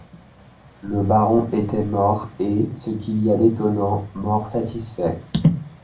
Le baron était mort, et, ce qu'il y a d'étonnant, mort satisfait.